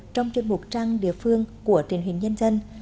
trong chuyên mục trang địa phương của truyền hình nhân dân